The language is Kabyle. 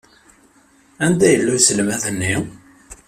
Anda yella uselmad-nni?